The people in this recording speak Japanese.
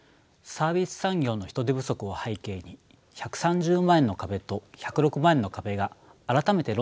サービス産業の人手不足を背景に１３０万円の壁と１０６万円の壁が改めて論点になっています。